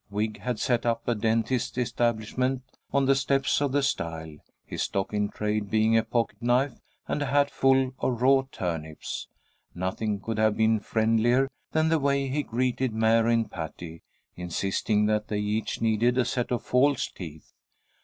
Wig had set up a dentist's establishment on the steps of the stile, his stock in trade being a pocket knife and a hat full of raw turnips. Nothing could have been friendlier than the way he greeted Mary and Patty, insisting that they each needed a set of false teeth.